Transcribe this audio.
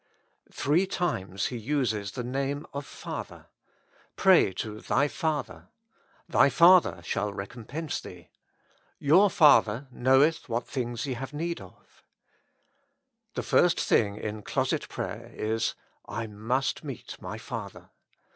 Three times He uses the name of Father ;" Pray to thy Father ;"" Thy Father shall recompense thee ;''" Your Father knoweth what things ye have need of." The first thing in closet prayer is: I must meet my Father.